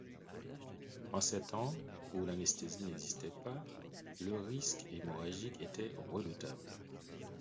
En ces temps où l'anesthésie n'existait pas, le risque hémorragique était redoutable.